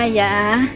tak ada apa apa